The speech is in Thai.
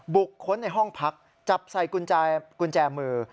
บุคคลในห้องพักจับใส่กุญแจมือ